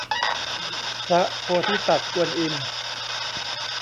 พระโพธิสัตว์กวนอิม